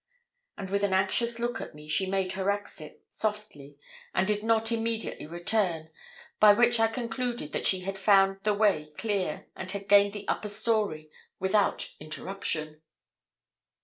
And with an anxious look at me, she made her exit, softly, and did not immediately return, by which I concluded that she had found the way clear, and had gained the upper story without interruption.